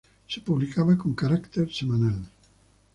Se publicaba con carácter semanal.